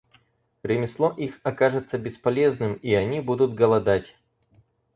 Ремесло их окажется бесполезным, и они будут голодать.